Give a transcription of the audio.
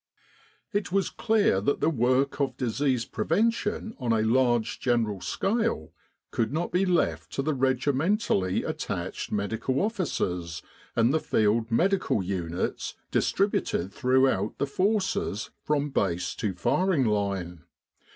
It was clear that the work of disease prevention on a large general scale could not be left to the regimentally attached M.O.'s and the field medical units distributed throughout the forces from Base to firing line.